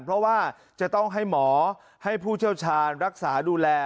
เพราะว่าจะต้องให้หมอให้ผู้เชี่ยวชาญรักษาดูแล